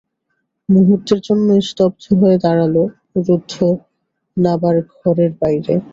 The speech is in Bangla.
মুহূর্তের জন্য স্তব্ধ হয়ে দাঁড়াল রুদ্ধ নাবার ঘরের বাইরে।